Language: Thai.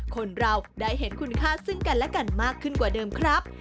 คนเราได้เห็นคุณค่าซึ่งกันและกันมากขึ้นกว่าเดิมครับ